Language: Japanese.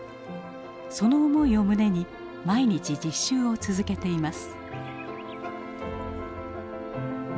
その思いを胸に毎日実習を続けています。